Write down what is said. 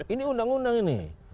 ini undang undang ini